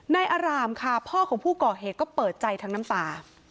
นายอารามค่ะพ่อของผู้ก่อเหตุก็เปิดใจทั้งน้ำตา